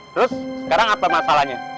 terus sekarang apa masalahnya